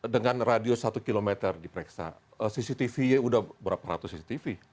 dengan radio satu km diperiksa cctv nya udah berapa ratus cctv